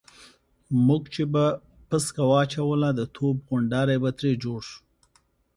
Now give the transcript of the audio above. موږ چې به پسکه واچوله د توپ غونډاری به ترې جوړ شو.